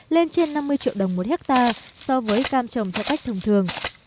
lên trên năm mươi triệu đồng một hectare so với cam trồng theo cách thông thường